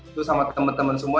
itu sama temen temen semua